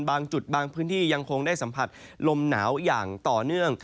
บางจุดบางพื้นที่ยังคงได้สัมผัสลมหนาวอย่างต่อเนื่อง